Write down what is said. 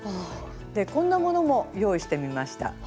でこんなものも用意してみました。